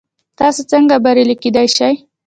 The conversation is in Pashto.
تاسو څنګه بریالي کیدی شئ؟